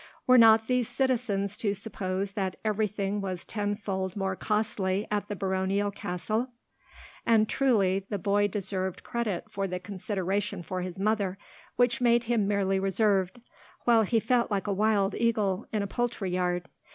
Were not these citizens to suppose that everything was tenfold more costly at the baronial castle? And truly the boy deserved credit for the consideration for his mother, which made him merely reserved, while he felt like a wild eagle in a poultry yard.